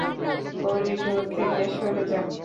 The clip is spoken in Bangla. করিডোর থেকে সরে যান।